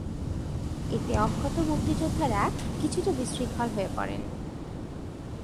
এতে অক্ষত মুক্তিযোদ্ধারা কিছুটা বিশৃঙ্খল হয়ে পড়েন।